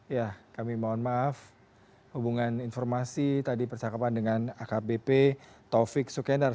ya kami mohon maaf hubungan informasi tadi percakapan dengan akbp taufik sukendar